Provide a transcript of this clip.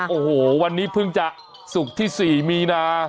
โอ้โหวันนี้เพิ่งจะศุกร์ที่๔มีนา